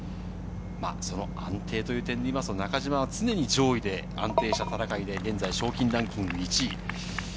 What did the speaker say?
安定という点で言うと、中島は常に上位で安定した戦いで現在、賞金ランキング１位。